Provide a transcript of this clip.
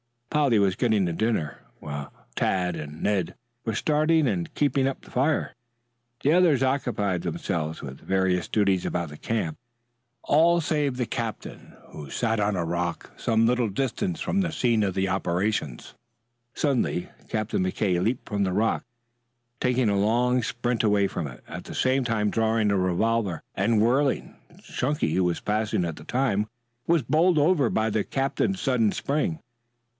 Polly was getting the dinner while Tad and Ned were starting and keeping up the fire. The others occupied themselves with various duties about the camp, all save the captain who sat on a rock some little distance from the scene of operations. Suddenly Captain McKay leaped from the rock, taking a long spring away from it, at the same time drawing a revolver and whirling. Chunky, who was passing at the time, was bowled over by the captain's sudden spring.